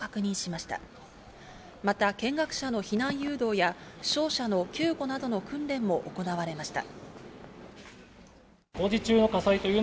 また見学者の避難誘導や負傷者の救護なども行われました。